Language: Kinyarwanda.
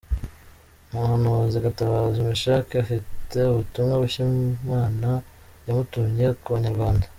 Umuhanuzi Gatabazi Mechack afite ubutumwa bushya Imana yamutumye ku Banyarwanda.